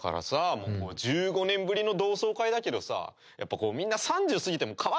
もう１５年ぶりの同窓会だけどさやっぱこうみんな３０過ぎても変わってねえなみたいなさ。